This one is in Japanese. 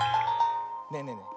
ねえねえねえ